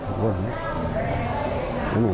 พ่อไหมก็รักละก่อ